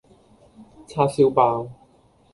叉燒包